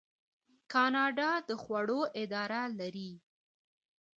کاناډا د خوړو اداره لري.